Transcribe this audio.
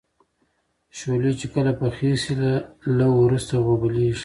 شولې چې کله پخې شي له لو وروسته غوبلیږي.